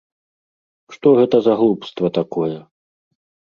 Што гэта за глупства такое?